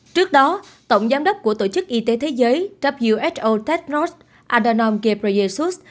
trước đó tổng giám đốc của tổ chức y tế thế giới who tedros andanom ghebreyesus